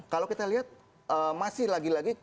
kalau kita lihat masih lagi lagi